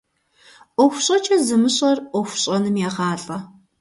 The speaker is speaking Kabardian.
Iуэху щIэкIэ зымыщIэр Iуэху щIэным егъалIэ.